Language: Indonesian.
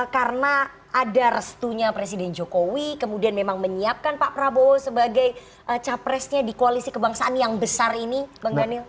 karena ada restunya presiden jokowi kemudian memang menyiapkan pak prabowo sebagai capresnya di koalisi kebangsaan yang besar ini bang daniel